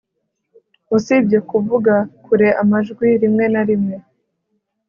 usibye kuvuga kure amajwi rimwe na rimwe